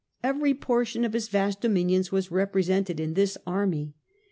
Every portion of his vast dominions was represented in his army.